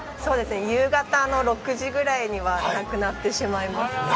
夕方の６時ぐらいにはなくなってしまいますね。